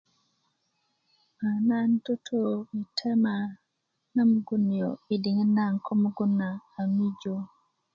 nan tutu yi tema na mugun nio yi diŋit naŋ ko mugun nio a mijö